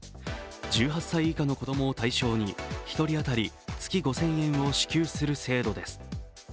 １８歳以下の子供を対象に１人当たり月５０００円を支給する制度です。